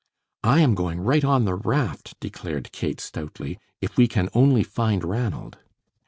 "I am going right on the raft," declared Kate, stoutly, "if we can only find Ranald."